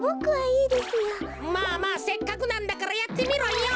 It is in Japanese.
まあまあせっかくなんだからやってみろよ。